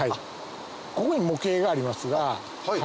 ここに模型がありますが。